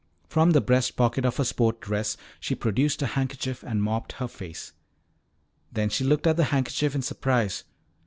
From the breast pocket of her sport dress she produced a handkerchief and mopped her face. Then she looked at the handkerchief in surprise.